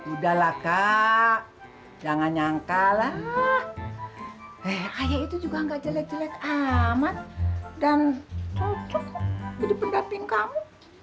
udahlah kak jangan nyangka lah ayah itu juga ga jelek jelek amat dan cocok ke depan daping kamu